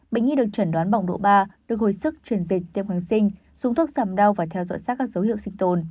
bệnh nhi được chẩn đoán bỏng độ ba được hồi sức truyền dịch tiêm kháng sinh dùng thuốc giảm đau và theo dõi sát các dấu hiệu sinh tồn